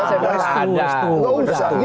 tapi saya tidak bicara kasus ini